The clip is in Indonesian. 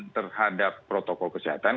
terhadap protokol kesehatan